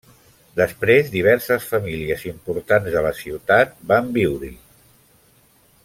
Després, diverses famílies importants de la ciutat van viure-hi.